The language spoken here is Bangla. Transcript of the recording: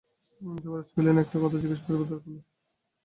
যুবরাজ কহিলেন, একটা কথা জিজ্ঞাসা করিব, দ্বার খোলো।